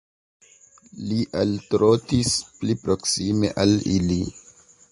Li altrotis pli proksime al ili.